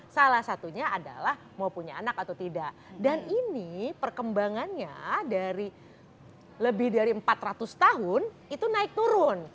salah satunya adalah mau punya anak atau tidak dan ini perkembangannya dari lebih dari empat ratus tahun itu naik turun